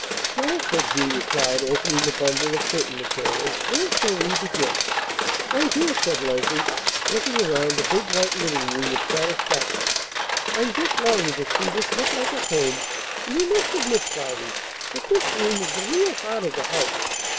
"Now," said Julia Cloud, opening the bundle of curtain material, "where shall we begin?" "Right here," said Leslie, looking around the big white living room with satisfaction. "I'm just longing to see this look like a home; and you must admit, Cloudy, that this room is the real heart of the house.